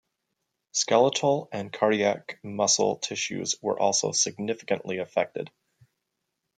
Skeletal and cardiac muscle tissues were also significantly affected.